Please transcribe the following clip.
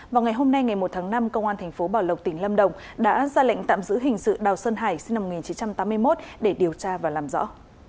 vào ngày hôm nay ngày một tháng năm công an thành phố bảo lộc tỉnh lâm đồng đã ra lệnh tạm giữ hình sự đào sơn hải sinh năm một nghìn chín trăm tám mươi một để điều tra và làm rõ